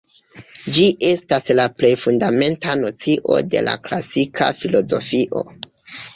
Ĝi estas la plej fundamenta nocio de klasika filozofio.